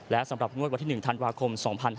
และสำหรับงวดวันที่๑ธันวาคม๒๕๕๙